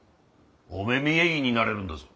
お目見え医になれるんだぞ？